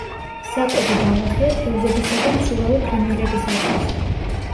საკვები ბალახია თევზებისა და მცურავი ფრინველებისათვის.